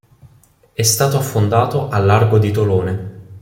È stato affondato al largo di Tolone.